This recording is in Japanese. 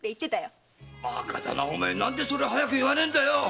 バカだな何でそれを早く言わねえんだよ！